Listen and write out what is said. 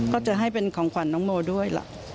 ก็จะให้เป็นของขวัญน้องโมด้วยล่ะ